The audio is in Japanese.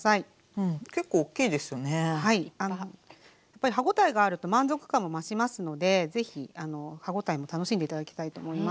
やっぱり歯応えがあると満足感も増しますので是非歯応えも楽しんで頂きたいと思います。